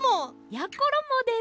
やころもです。